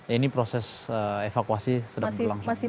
ini proses evakuasi sedang berlangsung